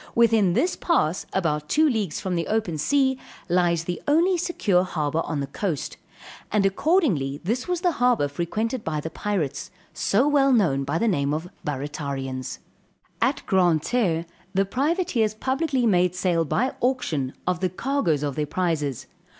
Within this pass about two leagues from the open sea, lies the only secure harbor on the coast, and accordingly this was the harbor frequented by the Pirates, so well known by the name of Barratarians. At Grand Jerre, the privateers publicly made sale by auction, of the cargoes of their prizes.